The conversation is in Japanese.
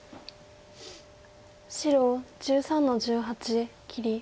白１３の十八切り。